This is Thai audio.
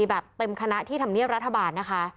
แบบเต็มคณะที่ธรรมเนียบรัฐบาลนะคะ